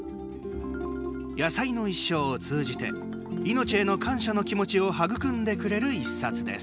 野菜の一生を通じて命への感謝の気持ちを育んでくれる１冊です。